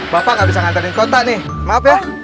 bapak gak bisa nganterin kota nih maaf ya